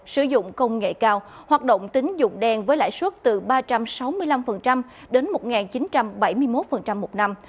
sử dụng công nghệ cao hoạt động tính dụng đen với lãi suất từ ba trăm sáu mươi năm đến một chín trăm bảy mươi một một năm